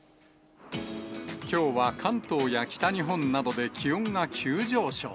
きょうは関東や北日本などで気温が急上昇。